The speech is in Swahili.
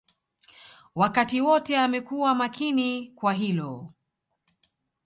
Wakati wote amekuwa makini kwa hilo